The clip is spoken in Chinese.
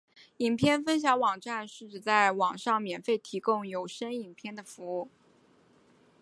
影片分享网站是指在网上免费提供有声影片的服务。